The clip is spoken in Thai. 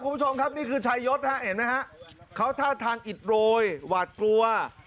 คุณผู้ชมครับนี่คือชายยศฮะเห็นไหมฮะเขาท่าทางอิดโรยหวาดกลัว